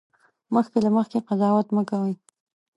مخکې له مخکې قضاوت مه کوئ